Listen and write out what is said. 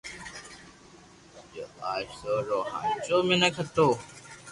جو اآݾور رو ھاچو مينک ھتو